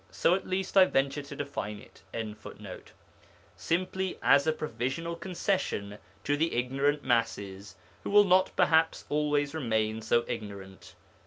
So, at least, I venture to define it.] simply as a provisional concession to the ignorant masses, who will not perhaps always remain so ignorant.